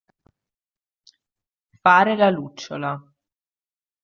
Fare la lucciola.